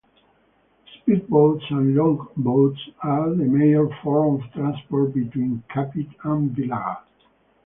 Speedboats and longboats are the major form of transport between Kapit and Belaga.